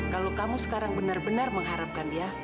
kalau kamu sekarang bener bener mengharapkan dia